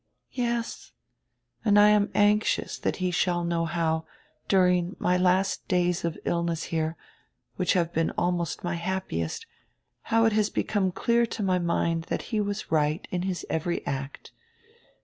"Yes. And I am anxious that he shall know how, during my days of illness here, which have been almost my happiest, how it has become clear to my mind that he was right in his every act.